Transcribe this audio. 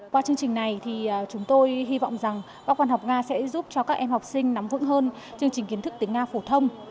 qua chương trình này thì chúng tôi hy vọng rằng các quan học nga sẽ giúp cho các em học sinh nắm vững hơn chương trình kiến thức tiếng nga phổ thông